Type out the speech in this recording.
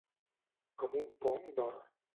Com un pom d'or.